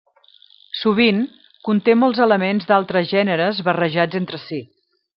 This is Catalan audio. Sovint, conté molts elements d'altres gèneres barrejats entre si.